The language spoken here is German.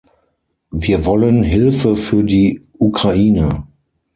Wir wollen Hilfe für die Ukraine.